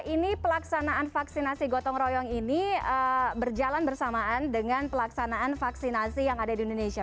ini pelaksanaan vaksinasi gotong royong ini berjalan bersamaan dengan pelaksanaan vaksinasi yang ada di indonesia